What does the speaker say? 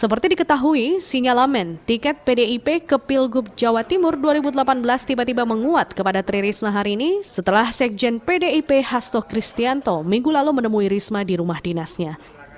seperti diketahui sinyalamen tiket pdip ke pilgub jawa timur dua ribu delapan belas tiba tiba menguat kepada tri risma hari ini setelah sekjen pdip hasto kristianto minggu lalu menemui risma di rumah dinasnya